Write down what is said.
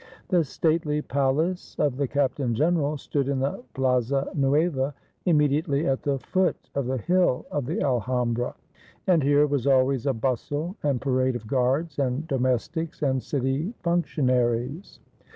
The stately palace of the captain general stood in the Plaza Nueva, immedi ately at the foot of the hill of the Alhambra; and here was always a bustle and parade of guards, and domes tics, and city functionaries.